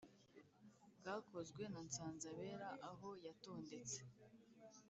bwakozwe na Nsanzabera aho yatondetse